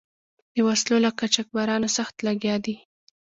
د وسلو له قاچبرانو سخت لګیا دي.